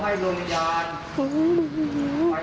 ขอให้ล้วนยานตายไปในที่กระมก